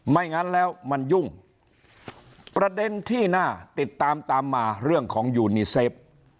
งั้นแล้วมันยุ่งประเด็นที่น่าติดตามตามมาเรื่องของยูนีเซฟ